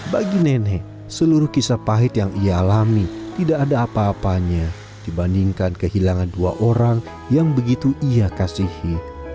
bagi nenek seluruh kisah pahit yang ia alami tidak ada apa apanya dibandingkan kehilangan dua orang yang begitu ia kasihi